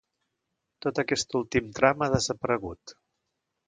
Tot aquest últim tram ha desaparegut.